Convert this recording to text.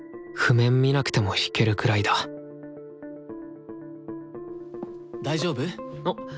見なくても弾けるくらいだ大丈夫？